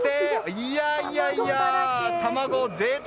いやいやいや卵、贅沢！